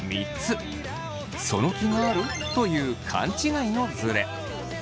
「その気がある？」という勘違いのズレ。